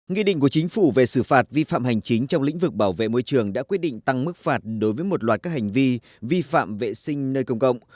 nghị định của chính phủ về xử phạt vi phạm hành chính trong lĩnh vực bảo vệ môi trường đã quyết định tăng mức phạt đối với một loạt các hành vi vi phạm vệ sinh nơi công cộng